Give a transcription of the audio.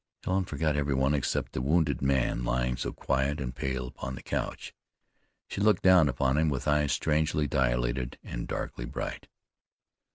Helen forgot every one except the wounded man lying so quiet and pale upon the couch. She looked down upon him with eyes strangely dilated, and darkly bright.